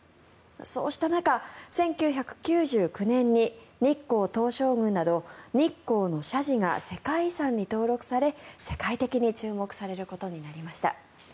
そうした中、１９９９年に日光東照宮など日光の社寺が世界遺産に登録され、世界的に注目されることになりました。